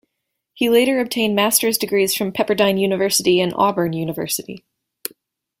He later obtained Master's degrees from Pepperdine University and Auburn University.